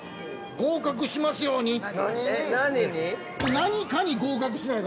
合格しますようにって。